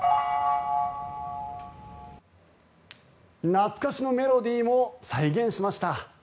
懐かしのメロディーも再現しました。